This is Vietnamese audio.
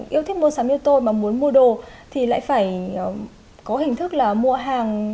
yêu thích mua sắm như tôi mà muốn mua đồ thì lại phải có hình thức là mua hàng